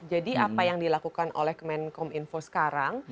jadi apa yang dilakukan oleh kemenkom info sekarang